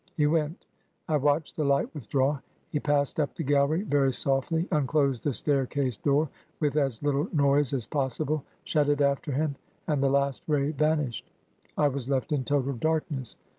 He went: I watched the light withdraw. He passed up the gallery very softly, unclosed the staircase door with as little noise as possible, shut it after him, and the last ray vanished. I was left in total darkness.